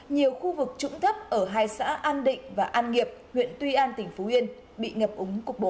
nhiều khu vực trũng thấp ở hai xã an định và an nghiệp huyện tuy an tỉnh phú yên bị ngập úng cục bộ